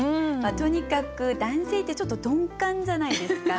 とにかく男性ってちょっと鈍感じゃないですか。